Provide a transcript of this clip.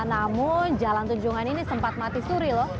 namun jalan tunjungan ini sempat mati suri loh